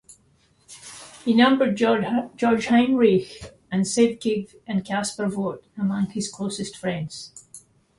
He numbered Georg Heinrich Sieveking and Caspar Voght among his closest friends.